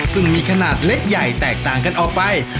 ซึ่งมีขนาดเล็กใหญ่แตกต่างกันออกไป